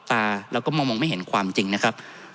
ท่านประธานครับนี่คือสิ่งที่สุดท้ายของท่านครับ